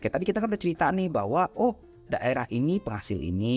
tadi kita kan udah cerita nih bahwa oh daerah ini penghasil ini